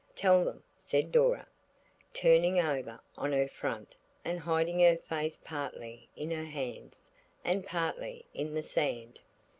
"Tell them," said Dora, turning over on her front and hiding her face partly in her hands, and partly in the sand.